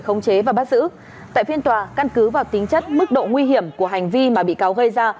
khống chế và bắt giữ tại phiên tòa căn cứ vào tính chất mức độ nguy hiểm của hành vi mà bị cáo gây ra